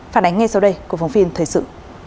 phản ánh ngay sau đây của phòng phiên thời sự